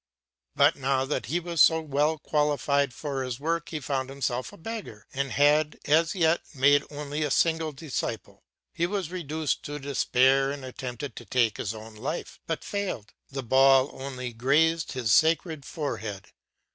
But now that he was so well qualified for his work he found himself a beggar, and had as yet made only a single disciple. He was reduced to despair and attempted to take his own life; but failed, the ball only grazing his sacred forehead.